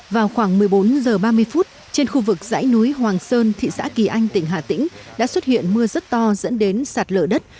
vào khoảng một mươi bốn h ba mươi phút trên khu vực dãy núi hoàng sơn thị xã kỳ anh tỉnh hà tĩnh đã xuất hiện mưa rất to dẫn đến sạt lở đất